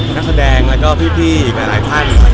นักแสดงแล้วก็พี่อีกหลายท่าน